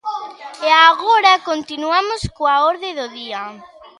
E agora continuamos coa orde do día.